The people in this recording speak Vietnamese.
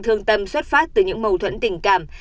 thương tâm xuất phát từ những mâu thuẫn tình cảm